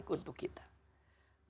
dari sesuatu yang tidak baik untuk kita